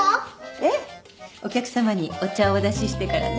ええ。お客さまにお茶をお出ししてからね。